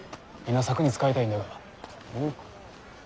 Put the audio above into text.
稲作に使いたいんだが。